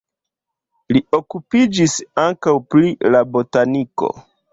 Li okupiĝis ankaŭ pri la botaniko.